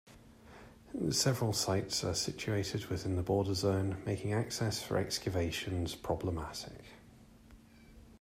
Several sites are situated within the border zone, making access for excavations problematic.